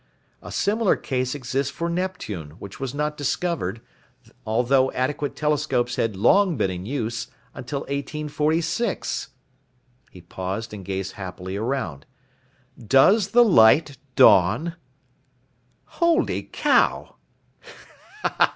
A similar case exists for Neptune, which was not discovered, although adequate telescopes had long been in use, until 1846." He paused and gazed happily around. "Does the light dawn?" "Holy cow!"